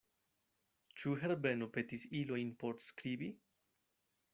Ĉu Herbeno petis ilojn por skribi?